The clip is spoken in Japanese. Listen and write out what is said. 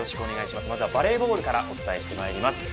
まずはバレーボールからお伝えします。